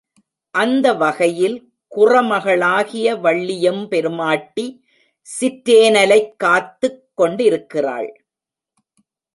அந்த வகையில் குறமகளாகிய வள்ளியெம்பெருமாட்டி சிற்றேனலைக் காத்துக் கொண்டிருக்கிறாள்.